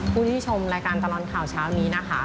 ผู้ที่ชมรายการตลอดข่าวเช้านี้นะคะ